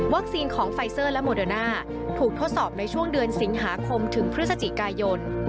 ของไฟเซอร์และโมเดอร์น่าถูกทดสอบในช่วงเดือนสิงหาคมถึงพฤศจิกายน